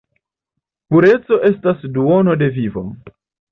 Pureco estas duono de vivo!